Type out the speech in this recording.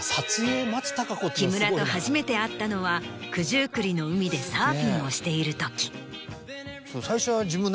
木村と初めて会ったのは九十九里の海でサーフィンをしているとき。